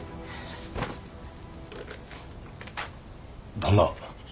旦那。